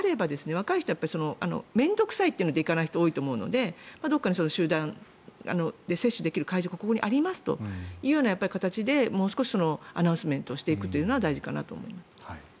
若い人たちは面倒臭いから出かけないと思いますのでどこかに集団で接種できる会場がここにありますという形でもう少しアナウンスメントをしていくのは大事かなと。